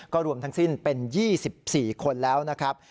รวมทั้งสิ้นเป็น๒๔คนแล้วนะครับ